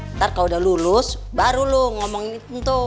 ntar kalau udah lulus baru lu ngomongin itu